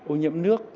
ô nhiễm nước